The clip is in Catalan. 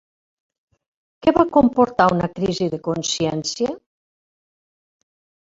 Què va comportar una crisi de consciència?